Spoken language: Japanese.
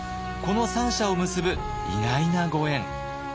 この三者を結ぶ意外なご縁。